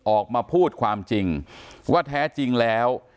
ออกมาพูดความจริงว่าแท้จริงแล้ว